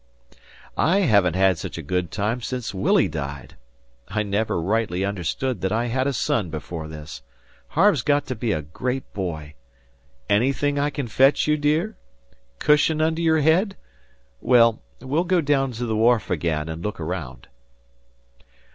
"I haven't had such a good time since Willie died. I never rightly understood that I had a son before this. Harve's got to be a great boy. 'Anything I can fetch you, dear? 'Cushion under your head? Well, we'll go down to the wharf again and look around."